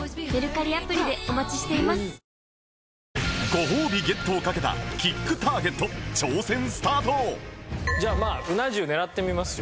ご褒美ゲットをかけたキックターゲット挑戦スタートじゃあまあうな重狙ってみますよ。